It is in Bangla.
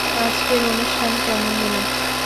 আজকের অনুষ্ঠান কেমন গেল?